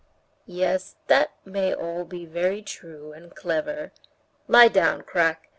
"Yes, that may all be very true and clever.... Lie down, Krak!"